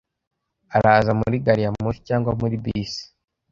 Araza muri gari ya moshi cyangwa muri bisi?